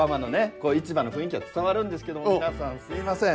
こう市場の雰囲気は伝わるんですけども皆さんすいません。